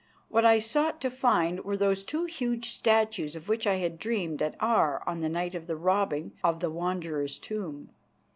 What I sought to find were those two huge statues of which I had dreamed at Aar on the night of the robbing of the Wanderer's tomb.